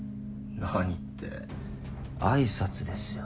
何って挨拶ですよ。